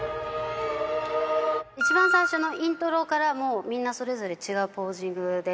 一番最初のイントロから、もうみんなそれぞれ違うポージングで。